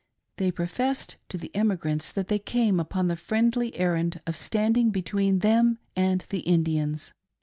They professed to the emigrants that they came upon the, friendly errand of standing between them and the Indians.